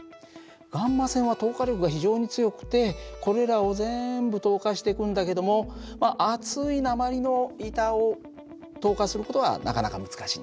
γ線は透過力が非常に強くてこれらを全部透過していくんだけども厚い鉛の板を透過する事はなかなか難しいんだ。